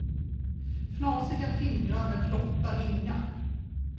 Fnasiga fingrar med flotta ringar.